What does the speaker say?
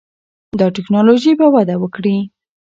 دا ټکنالوژي به وده وکړي.